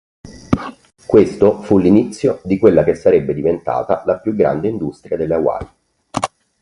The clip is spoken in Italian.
Questo fu l'inizio di quella che sarebbe diventata la più grande industria delle Hawaii.